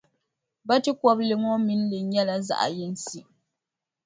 Bachikɔbili ŋɔ mini li nyɛla zaɣʼ yinsi.